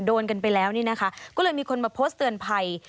โดนกันไปแล้วนี่นะคะก็เลยมีคนมาโพสต์เตือนภัย